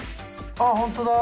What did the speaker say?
あっ本当だ！